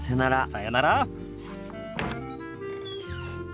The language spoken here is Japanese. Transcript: さよなら。